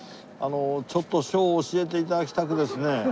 ちょっと書を教えて頂きたくですね。